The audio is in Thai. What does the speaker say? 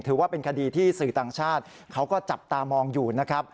ถือว่าเป็นคดีที่สื่อต่างชาติเขาก็จับตามองอยู่นะครับ